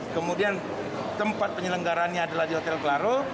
kemudian tempat penyelenggarannya adalah di hotel klaro